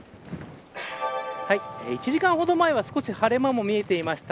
１時間ほど前は少し晴れ間も見えていました。